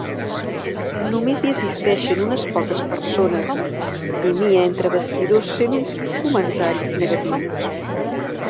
Només hi assisteixen unes poques persones, i Mia entre bastidors sent uns comentaris negatius.